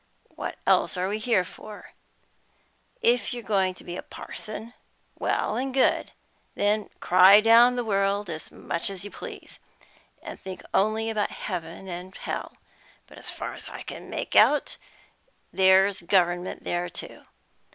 What else are we here for? If you're going to be a parson, well and good; then cry down the world as much as you please, and think only about heaven and hell. But as far as I can make out, there's government there too.